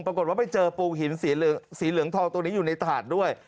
ปรากฏว่าไปเจอปูหินสีเหลืองทองตัวนี้อยู่ในถาดด้วย